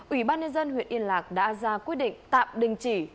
ủy ban nhân dân huyện yên lạc đã ra quyết định tạm đình chỉ